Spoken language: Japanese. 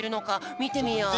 みてみよう。